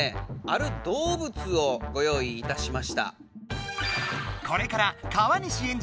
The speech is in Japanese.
ある動物をご用意いたしました。